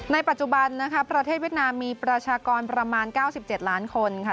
ปัจจุบันนะคะประเทศเวียดนามมีประชากรประมาณ๙๗ล้านคนค่ะ